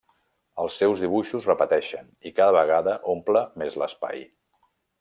Els seus dibuixos repeteixen i cada vegada omple més l'espai.